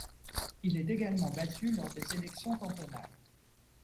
Il est également battu lors des élections cantonales.